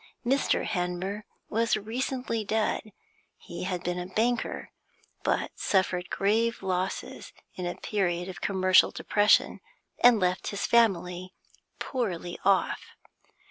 Mr. Hanmer was recently dead; he had been a banker, but suffered grave losses in a period of commercial depression, and left his family poorly off.